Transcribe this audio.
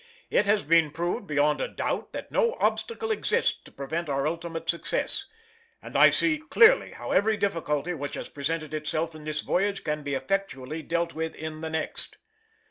It has been proved beyond a doubt that no obstacle exists to prevent our ultimate success; and I see clearly how every difficulty which has presented itself in this voyage can be effectually dealt with in the next.